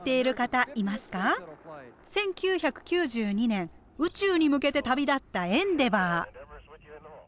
１９９２年宇宙に向けて旅立った「エンデバー」。